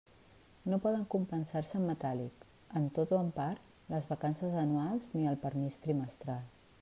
No poden compensar-se en metàl·lic, en tot o en part, les vacances anuals ni el permís trimestral.